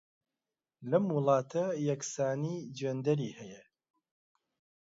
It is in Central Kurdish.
لەم وڵاتە یەکسانیی جێندەری هەیە.